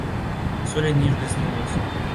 Suelen ir desnudos.